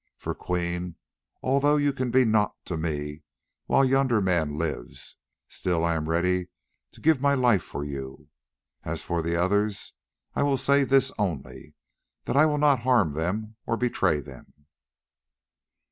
For, Queen, although you can be nought to me while yonder man lives, still I am ready to give my life for you. As for the others I will say this only, that I will not harm them or betray them.